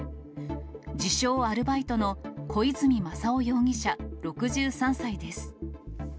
自称アルバイトの小泉雅夫容疑者６３歳です。